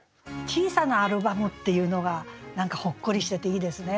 「小さなアルバム」っていうのが何かほっこりしてていいですね。